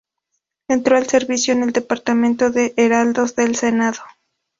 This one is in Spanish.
Entró al servicio en el departamento de heraldos del Senado.